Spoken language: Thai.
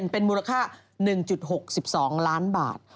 เป็นมูลค่า๑๖๒ล้านบาท